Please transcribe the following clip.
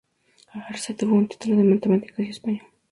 Arce obtuvo un título en Matemáticas y Español.